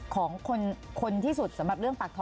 ของคนที่สุดสำหรับเรื่องปากท้อง